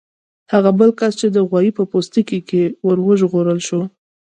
هغه بل کس چې د غوايي په پوستکي کې و وژغورل شو.